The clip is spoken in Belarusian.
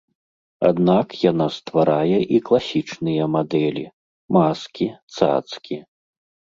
Аднак яна стварае і класічныя мадэлі, маскі, цацкі.